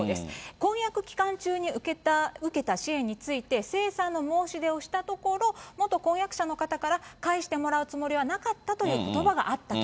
婚約期間中に受けた支援について、清算の申し出をしたところ、元婚約者の方から返してもらうつもりはなかったということばがあったと。